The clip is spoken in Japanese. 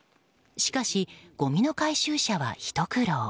しかし、ごみの回収車はひと苦労。